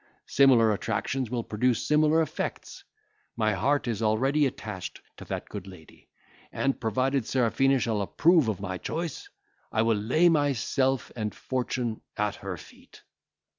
Similar attractions will produce similar effects. My heart is already attached to that good lady; and, provided Serafina shall approve of my choice, I will lay myself and fortune at her feet."